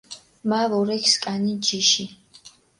მა ვორექ სკანი ჯიში